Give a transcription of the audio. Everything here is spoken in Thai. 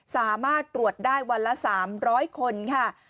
สามารถตรวจได้วันละ๓๐๐คนค่ะ